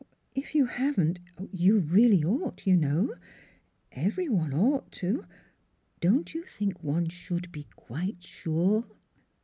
" If you haven't, you really ought, you know. ... Every one ought to don't you think one should be quite sure?"